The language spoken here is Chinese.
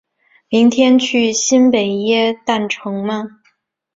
明天去新北耶诞城吗？